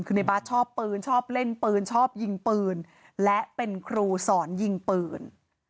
คือในบาสชอบปืนชอบเล่นปืนชอบยิงปืนและเป็นครูสอนยิงปืน